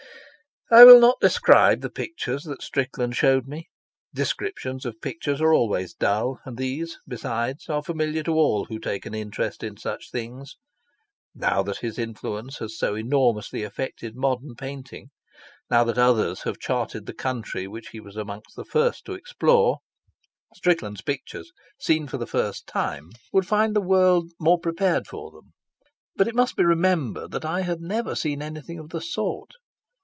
I will not describe the pictures that Strickland showed me. Descriptions of pictures are always dull, and these, besides, are familiar to all who take an interest in such things. Now that his influence has so enormously affected modern painting, now that others have charted the country which he was among the first to explore, Strickland's pictures, seen for the first time, would find the mind more prepared for them; but it must be remembered that I had never seen anything of the sort.